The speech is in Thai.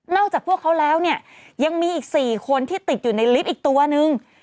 จากพวกเขาแล้วเนี่ยยังมีอีก๔คนที่ติดอยู่ในลิฟต์อีกตัวนึง